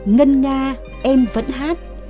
ngân nga em vẫn hát